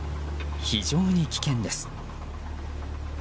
非常に危険です。